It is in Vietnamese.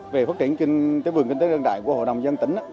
về phát triển kinh tế vườn kinh tế đơn đại của hội đồng dân tỉnh